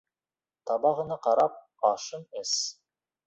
Табағына ҡарап, ашын эс